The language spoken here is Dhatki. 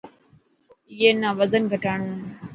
اي نا وزن گهٽاڻو هي.